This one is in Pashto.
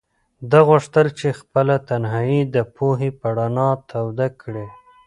ده غوښتل چې خپله تنهایي د پوهې په رڼا توده کړي.